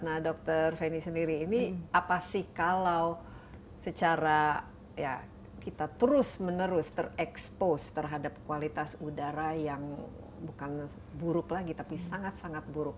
nah dokter feni sendiri ini apa sih kalau secara ya kita terus menerus terekspos terhadap kualitas udara yang bukan buruk lagi tapi sangat sangat buruk